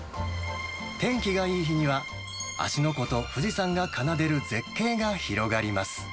天気がいい日には、芦ノ湖と富士山が奏でる絶景が広がります。